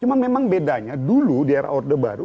cuma memang bedanya dulu di era orde baru